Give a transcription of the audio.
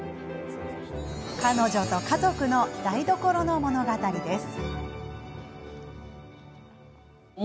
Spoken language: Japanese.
彼女と家族の台所の物語です。